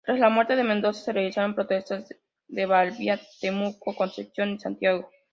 Tras la muerte de Mendoza se realizaron protestas en Valdivia, Temuco, Concepción y Santiago.